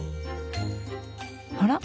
あら？